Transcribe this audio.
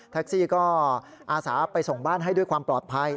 ซี่ก็อาสาไปส่งบ้านให้ด้วยความปลอดภัย